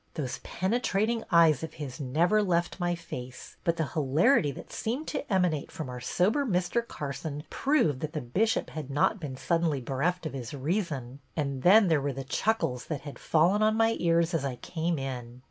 Those penetrating eyes of his never left my face, but the hilarity that seemed to emanate from our sober Mr. Carson proved that the Bishop had not been suddenly bereft of his reason ; and then there were the chuckles that had fallen on my ears as I came in.